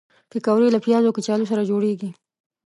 پکورې له پیازو او کچالو سره جوړېږي